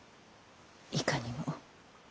いかにも。